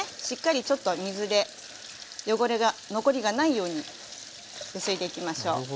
しっかりちょっと水で汚れが残りがないようにゆすいでいきましょう。